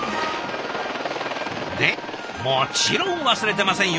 でもちろん忘れてませんよ。